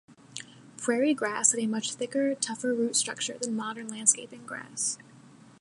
Prairie grass had a much thicker, tougher root structure than modern landscaping grass.